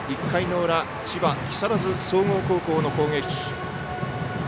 １回の裏千葉・木更津総合の攻撃。